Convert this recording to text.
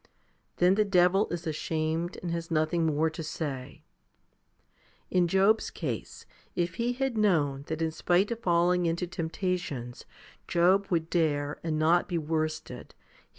Then the devil is ashamed, and has nothing more to say. In Job's case, if he had known that in spite of falling into tempta tions Job would dare and not be worsted, he would never 1 Rom.